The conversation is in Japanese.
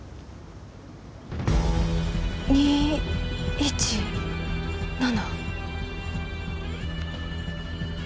２１７。